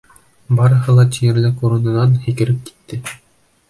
Барыһы ла тиерлек урынынан һикереп китте: